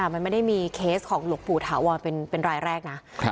มันไม่ได้มีเคสของหลวงปู่ถาวรเป็นรายแรกนะ